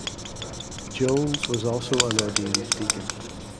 Jones was also an ordained deacon.